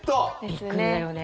びっくりだよね。